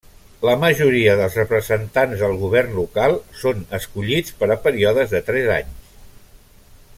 La majoria dels representants del govern local són escollits per a períodes de tres anys.